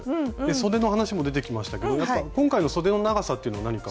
そでの話も出てきましたけど今回のそでの長さというのは何か。